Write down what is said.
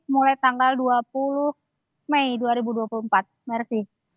mulai tanggal dua puluh mei dua ribu dua puluh empat mersi